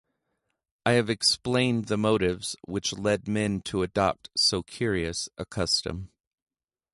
I have explained the motives which led men to adopt so curious a custom.